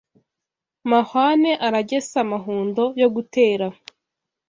Mahwane aragesa amahundo yo gutera